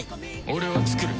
俺は作る。